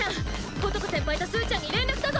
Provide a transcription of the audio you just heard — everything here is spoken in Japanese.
ことこ先輩とすうちゃんに連絡だぞ！